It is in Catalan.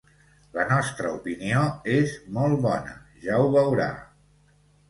La nostra opinió és molt bona, ja ho veurà.